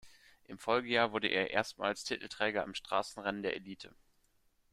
Im Folgejahr wurde er erstmals Titelträger im Straßenrennen der Elite.